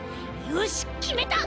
よしきめた！